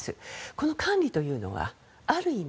この管理というのはある意味